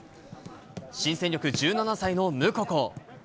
新戦力、１７歳のムココ。